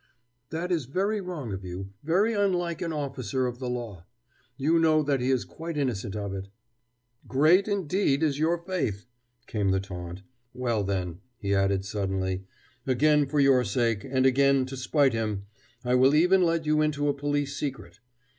"That is very wrong of you, very unlike an officer of the law. You know that he is quite innocent of it." "Great, indeed, is your faith!" came the taunt. "Well, then," he added suddenly, "again for your sake, and again to spite him, I will even let you into a police secret.